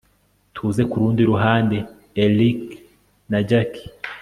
tuze kurundi ruhande, erick na jack